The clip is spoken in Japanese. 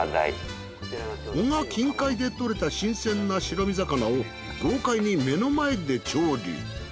男鹿近海で獲れた新鮮な白身魚を豪快に目の前で調理。